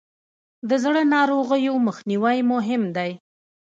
د زړه ناروغیو مخنیوی مهم دی.